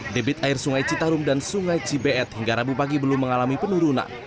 debit air sungai citarum dan sungai cibeet hingga rabu pagi belum mengalami penurunan